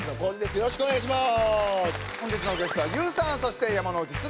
よろしくお願いします。